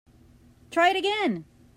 Try it again.